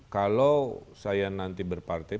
kalau saya nanti berpartai